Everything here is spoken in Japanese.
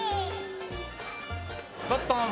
ゴットン。